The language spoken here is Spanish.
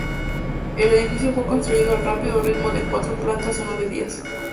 El edificio fue construido al rápido ritmo de cuatro plantas en nueve días.